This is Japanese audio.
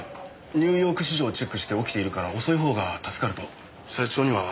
ニューヨーク市場をチェックして起きているから遅い方が助かると社長にはそう言われてましたから。